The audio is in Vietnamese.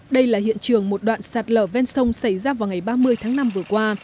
đây là hiện trường một đoạn sạt lở ven sông xảy ra vào ngày ba mươi tháng năm vừa qua